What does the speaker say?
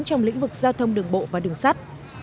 trong lĩnh vực giao thông đường bộ và đường sắt